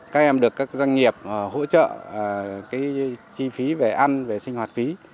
các em được các doanh nghiệp hỗ trợ chi phí về ăn về sinh hoạt phí